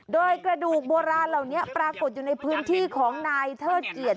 โดยกระดูกโบราณเหล่านี้ปรากฏอยู่ในพื้นที่ของนายเทิดเกียรติ